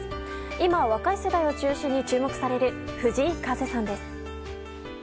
今、若い世代を中心に注目される藤井風さんです。